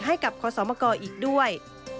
ให้กับคศมกอีกด้วย